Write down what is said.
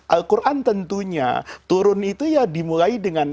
al quran tentunya turun itu ya dimulai dengan